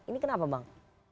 ini kenapa bang